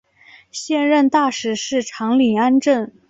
现任大使是长岭安政。